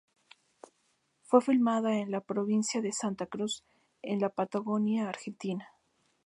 Fue filmada en la provincia de Santa Cruz, en la Patagonia argentina.